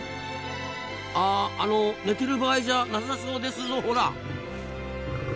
ああの寝てる場合じゃなさそうですぞほら。